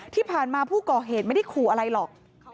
ที่ผ่านมาผู้ก่อเหตุไม่ได้ขู่อะไรหรอก